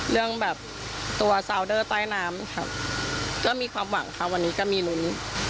เรื่องแบบตัวซาวเดอร์ใต้น้ำค่ะก็มีความหวังค่ะวันนี้ก็มีลุ้น